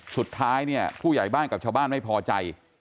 สุดท้ายเนี่ยผู้ใหญ่บ้านกับชาวบ้านไม่พอใจ